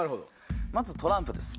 まずトランプです